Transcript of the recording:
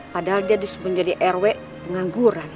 padahal dia disembunyai di rw pengangguran